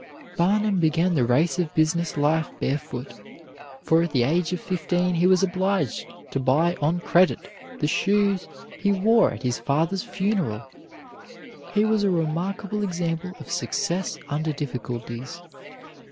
Barnum began the race of business life barefoot, for at the age of fifteen he was obliged to buy on credit the shoes he wore at his father's funeral. He was a remarkable example of success under difficulties.